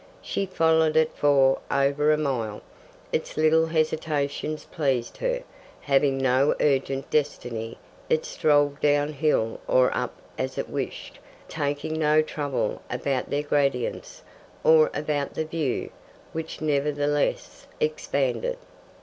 She followed it for over a mile. Its little hesitations pleased her. Having no urgent destiny, it strolled downhill or up as it wished, taking no trouble about the gradients, nor about the view, which nevertheless expanded.